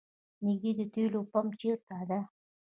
نیږدې د تیلو پمپ چېرته ده؟